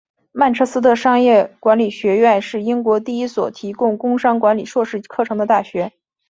曼彻斯特商业管理学院是英国第一所提供工商管理硕士课程的大学。